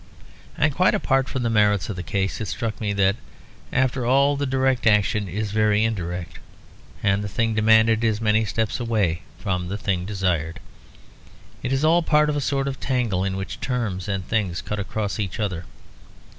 And quite apart from the merits of the case, it struck me that after all the direct action is very indirect, and the thing demanded is many steps away from the thing desired. It is all part of a sort of tangle, in which terms and things cut across each other.